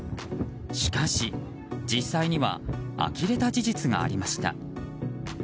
しかし、実際にはあきれた事実がありました。